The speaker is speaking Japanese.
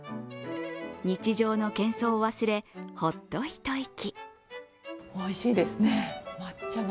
日常のけん騒を忘れほっと、一息。